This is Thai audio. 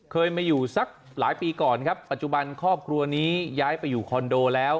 เคยมาอยู่สักหลายปีก่อนครับปัจจุบันครอบครัวนี้ย้ายไปอยู่คอนโดแล้ว